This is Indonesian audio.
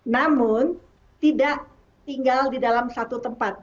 namun tidak tinggal di dalam satu tempat